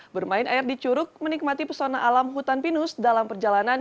bermain air di curug menikmati pesona alam hutan pinus dalam perjalanan